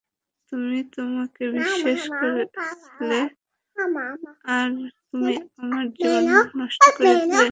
আমি তোমাকে বিশ্বাস করেছিলাম, আর তুমি আমার জীবন নষ্ট করে দিলে!